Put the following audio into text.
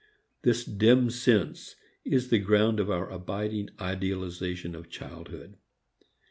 This dim sense is the ground of our abiding idealization of childhood.